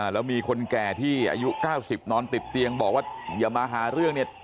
แล้วมีคนแก่ที่อายุ๙๐นอนติดเตียงบอกว่าอย่ามาหาเรื่องเนี่ย